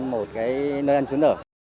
một cái nơi ăn chún ở